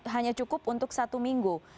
hanya cukup untuk satu minggu